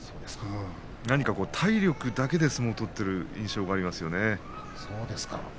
なにか、体力だけで相撲を取っている印象がありますね。